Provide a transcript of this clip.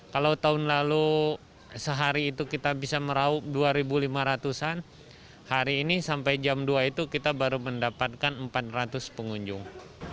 kalau tahun lalu sehari itu kita bisa meraup dua ribu lima ratus an hari ini sampai jam dua itu kita baru mendapatkan empat ratus pengunjung